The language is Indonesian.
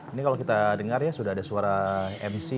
ini kalau kita dengar ya sudah ada suara mc